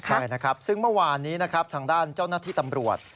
ใช่นะครับซึ่งเมื่อวานทางด้านเจ้านาตีตำรวจ